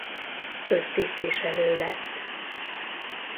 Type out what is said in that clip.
Köztisztviselő lett.